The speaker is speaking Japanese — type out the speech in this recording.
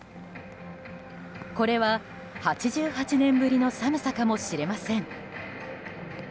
これは８８年ぶりの寒さかもしれません。